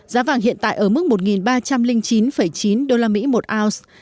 giá vàng hiện tại ở mức một ba trăm linh chín chín usd một ounce